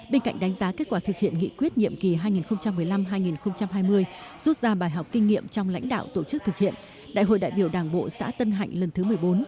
bên cạnh đánh giá kết quả thực hiện nghị quyết nhiệm kỳ hai nghìn một mươi năm hai nghìn hai mươi rút ra bài học kinh nghiệm trong lãnh đạo tổ chức thực hiện đại hội đại biểu đảng bộ xã tân hạnh lần thứ một mươi bốn